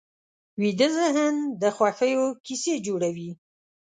ویده ذهن د خوښیو کیسې جوړوي